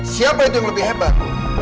siapa itu yang lebih hebat